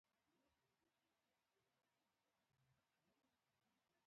ازادي راډیو د تعلیم په اړه د چانسونو او ننګونو په اړه بحث کړی.